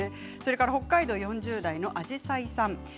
北海道４０代の方です。